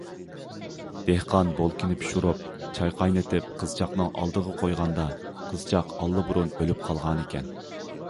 دېھقان بولكىنى پىشۇرۇپ، چاي قاينىتىپ قىزچاقنىڭ ئالدىغا قويغاندا، قىزچاق ئاللىبۇرۇن ئۆلۈپ قالغانىكەن.